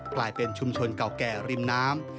กลายเป็นชุมชนเก่าแก่ริมน้ำ